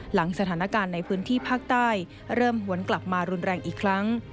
หลังสถานการณ์ในพื้นที่ภาคใต้เริ่มหวนกลับมารุนแรงอีกครั้ง